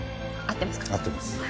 合ってます。